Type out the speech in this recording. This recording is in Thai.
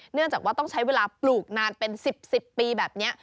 เนื่องจากว่าต้องใช้เวลาปลูกนานเป็น๑๐ปีแบบนี้